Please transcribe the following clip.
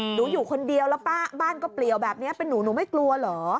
อยู่คนเดียวแล้วป้าบ้านก็เปลี่ยวแบบนี้เป็นหนูหนูไม่กลัวเหรอ